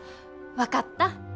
分かった。